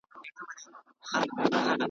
ورته ویل به مې، ادې